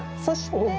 そして。